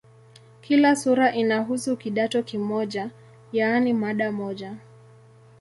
Kila sura inahusu "kidato" kimoja, yaani mada moja.